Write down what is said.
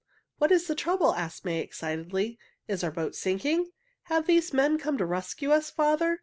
"What is the trouble?" asked May excitedly. "Is our boat sinking? Have these men come to rescue us, father?